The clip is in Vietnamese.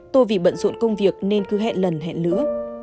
tôi vì bận ruộn công việc nên cứ hẹn lần hẹn lửa